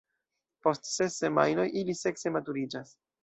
Post ses semajnoj ili sekse maturiĝas.